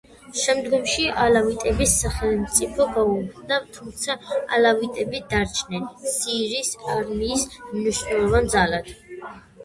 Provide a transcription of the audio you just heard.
შემდგომში ალავიტების სახელმწიფო გაუქმდა, თუმცა ალავიტები დარჩნენ სირიის არმიის მნიშვნელოვან ძალად.